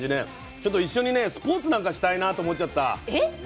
ちょっと一緒にねスポーツなんかしたいなと思っちゃった。